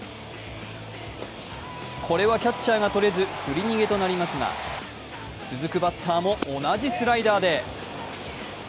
これはキャッチャーがとれず振り逃げとなりますが続くバッターも同じスライダーで。